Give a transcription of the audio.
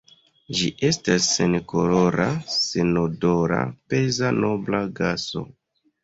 Ĝi estas senkolora, senodora, peza nobla gaso.